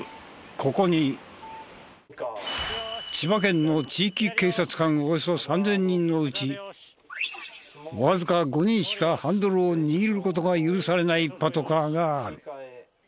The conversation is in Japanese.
ここに千葉県の地域警察官およそ３０００人のうちわずか５人しかハンドルを握る事が許されないパトカーがある。